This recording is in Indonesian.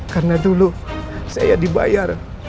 karena dulu saya dibayar